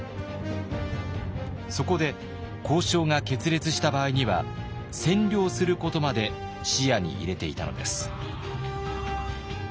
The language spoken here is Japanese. そこで交渉が決裂した場合には占領することまで視野に入れていたのです。